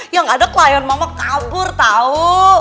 yang ada klien mama kabur tahu